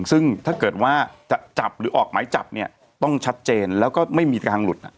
ซึ่งถ้าเกิดว่าจะจับหรือออกหมายจับเนี่ยต้องชัดเจนแล้วก็ไม่มีทางหลุด